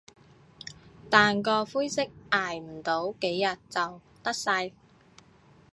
但個灰色捱唔到幾日就甩晒